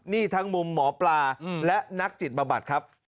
นี่ทั้งมุมหมอปลาและนักจิตบำบัดครับ